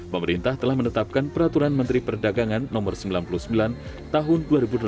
pemerintah telah menetapkan peraturan menteri perdagangan no sembilan puluh sembilan tahun dua ribu delapan belas